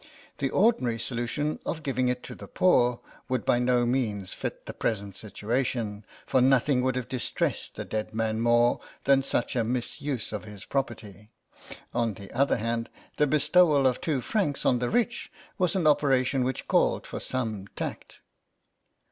The ordinary solution, of giving it to the poor, would by no means fit the present situation, for nothing would have distressed the dead man more than such a misuse of his property. On the other hand, the bestowal of two francs on the rich was an operation which called for some tact.